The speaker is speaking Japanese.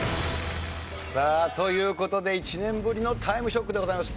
さあという事で１年ぶりの『タイムショック』でございます。